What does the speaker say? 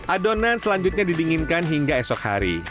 adonan selanjutnya didinginkan hingga esok hari